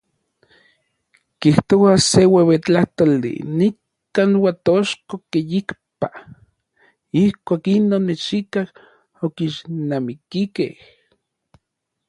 Kijtoa se ueuetlajtoli nikan Uatochko eyipa, ijkuak inon mexikaj okixnamikikej.